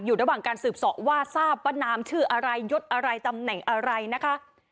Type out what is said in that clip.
อยู่ระหว่างการสืบสอบว่าทราบว่านามชื่ออะไรยดอะไรตำแหน่งอะไรนะคะ